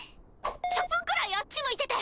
１０分くらいあっち向いてて。